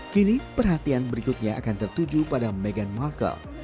kini perhatian berikutnya akan tertuju pada meghan markle